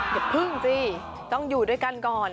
อย่าพึ่งสิต้องอยู่ด้วยกันก่อน